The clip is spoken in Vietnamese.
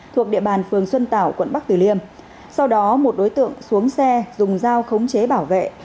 thuộc địa bàn phường xuân tảo quận bắc tử liêm sau đó một đối tượng xuống xe dùng dao khống chế bảo vệ